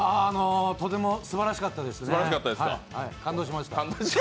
とてもすばらしかったですね、感動しました。